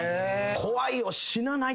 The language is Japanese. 怖いよ。